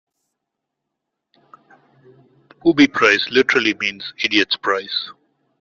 Booby prize literally means "idiot's prize".